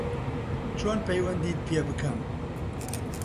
چۆن پەیوەندیت پێ بکەم